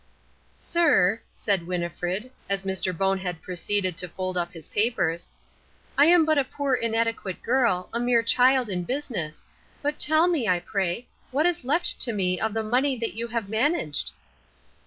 "Sir," said Winnifred, as Mr. Bonehead proceeded to fold up his papers, "I am but a poor inadequate girl, a mere child in business, but tell me, I pray, what is left to me of the money that you have managed?"